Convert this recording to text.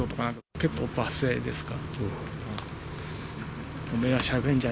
結構罵声ですか。